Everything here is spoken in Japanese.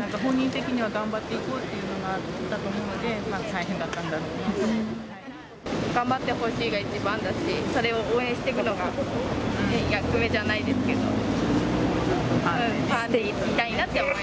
なんか本人的には頑張っていこうというのがあったと思うので、頑張ってほしいが一番だし、それを応援してるのが役目じゃないですけど、ファンでいたいなって思います。